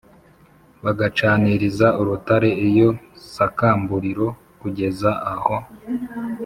bagacaniriza urutare iyo sakamburiro kugeza aho